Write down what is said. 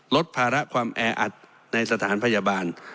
ลดภาระความแออัดในสถานพยาบาล